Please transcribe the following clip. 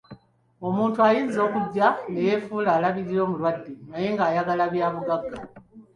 Omuntu ayinza okujja ne yeefuula alabirira omulwadde naye nga ayagala bya bugagga.